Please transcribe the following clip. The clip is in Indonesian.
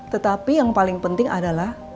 tetapi yang paling penting adalah